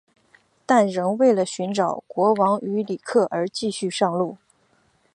但仍为了寻找国王与里克而继续上路。